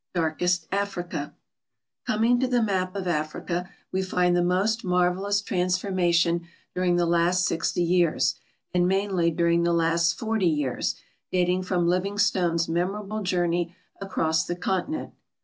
DAHKKST AFKICA Coming to the map of Africa, we tind the most marvelous trans formation (luring the last sixty years, and mainly during the last forty years, dating from Livingstone's menH)ral)le journey across the continent.